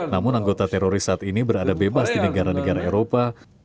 namun anggota teroris saat ini berada bebas di negara negara eropa